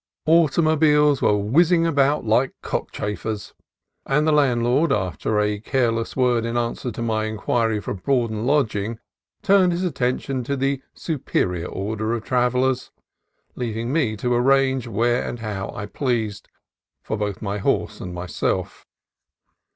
Automobiles were whizzing about like cockchafers, TOPANGA CANON 57 and the landlord, after a careless word in answer to my inquiry for board and lodging, turned his atten tion to the superior order of travellers, leaving me to arrange where and how I pleased for both my horse and myself.